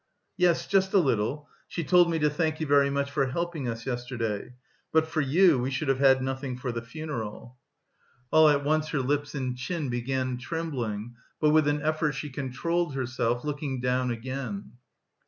"Yes... just a little.... She told me to thank you very much for helping us yesterday. But for you, we should have had nothing for the funeral." All at once her lips and chin began trembling, but, with an effort, she controlled herself, looking down again.